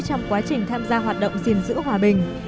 trong quá trình tham gia hoạt động gìn giữ hòa bình